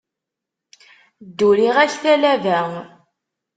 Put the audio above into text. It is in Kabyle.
Dduriɣ-ak talaba.